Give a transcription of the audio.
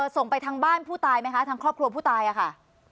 ส่งไปทางบ้านผู้ตายไหมคะทางครอบครัวผู้ตายค่ะ